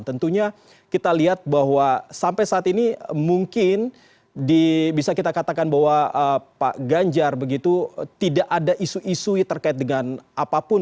tentunya kita lihat bahwa sampai saat ini mungkin bisa kita katakan bahwa pak ganjar begitu tidak ada isu isu terkait dengan apapun